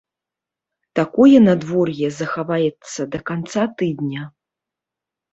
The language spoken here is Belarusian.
Такое надвор'е захаваецца да канца тыдня.